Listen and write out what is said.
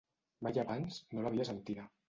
Mai abans no l'havia sentida.